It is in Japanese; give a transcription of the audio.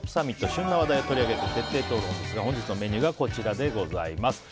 旬な話題を取り上げて徹底討論ですが本日のメニューがこちらです。